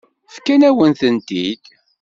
Fkan-awen-tent-id.